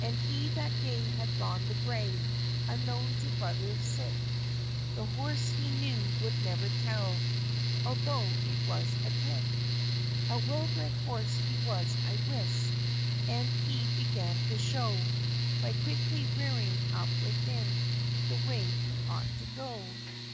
And he that day had got the gray, Unknown to brother cit; The horse he knew would never tell, Altho' it was a tit. A well bred horse he was, I wis, As he began to show, By quickly "rearing up within The way he ought to go."